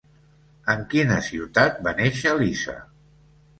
En quina ciutat va néixer Lisa?